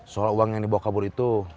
soal uang yang dibawa kabur itu